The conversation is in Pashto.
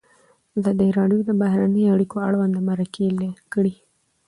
ازادي راډیو د بهرنۍ اړیکې اړوند مرکې کړي.